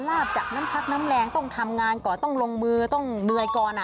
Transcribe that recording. ลาบจากน้ำพักน้ำแรงต้องทำงานก่อนต้องลงมือต้องเหนื่อยก่อน